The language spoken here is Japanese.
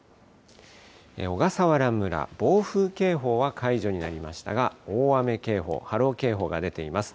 小笠原村、暴風警報は解除になりましたが、大雨警報、波浪警報が出ています。